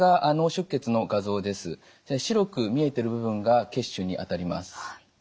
白く見えてる部分が血腫にあたります。